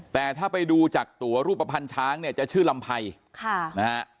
แต่ถ้าไปดูจากตัวรูปภัณฑ์ช้างเนี่ยจะชื่อลำไพรค่ะนะฮะ